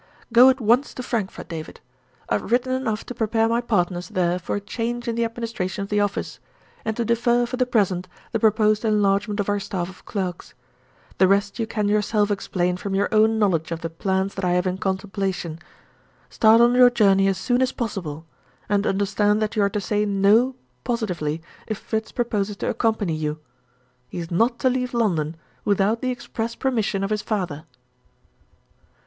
Go at once to Frankfort, David. I have written enough to prepare my partners there for a change in the administration of the office, and to defer for the present the proposed enlargement of our staff of clerks. The rest you can yourself explain from your own knowledge of the plans that I have in contemplation. Start on your journey as soon as possible and understand that you are to say No positively, if Fritz proposes to accompany you. He is not to leave London without the express permission of his father."